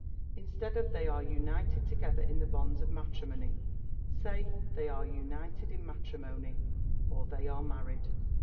Instead of "They are united together in the bonds of matrimony," say "They are united in matrimony," or, "They are married."